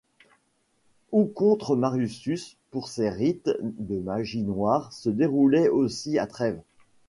Ou contre Marussus pour Ces rites de magie noire se déroulaient aussi à Trêves.